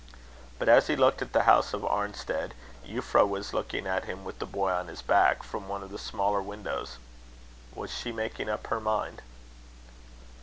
But as he looked at the house of Arnstead, Euphra was looking at him with the boy on his back, from one of the smaller windows. Was she making up her mind?